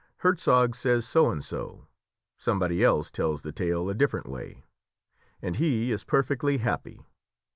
'Hertzog says so and so, somebody else tells the tale a different way,' and he is perfectly happy!